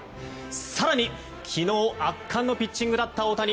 更に、昨日圧巻のピッチングだった大谷。